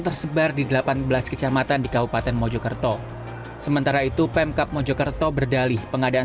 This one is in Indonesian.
tersebar di delapan belas kecamatan di kabupaten mojokerto sementara itu pemkap mojokerto berdalih pengadaan